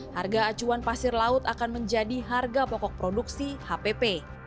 harga acuan pasir laut akan menjadi harga pokok produksi hpp